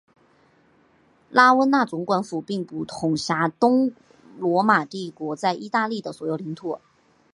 拉温纳总管府并不统辖东罗马帝国在意大利的所有领土。